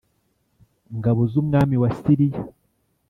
ngabo z umwami wa Siriya